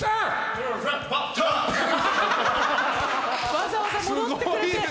わざわざ戻ってくれて。